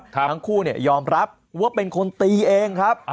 ทั้งคู่ยอมรับว่าเป็นคนตีเองครับ